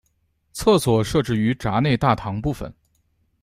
厕所设置于闸内大堂部分。